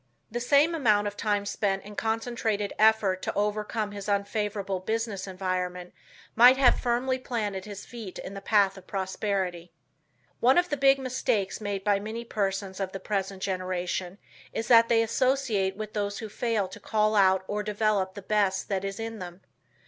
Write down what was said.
The same amount of time spent in concentrated effort to overcome his unfavorable business environment might have firmly planted his feet in the path of prosperity. One of the big mistakes made by many persons of the present generation is that they associate with those who fail to call out or develop the best that is in them.